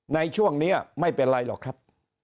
ในช่วงนี้ไม่เป็นไรหรอกครับ